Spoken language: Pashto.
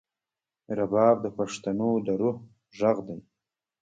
رباب د پښتنو د روح غږ دی.